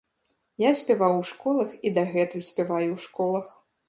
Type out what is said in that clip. Я спяваў у школах і дагэтуль спяваю ў школах.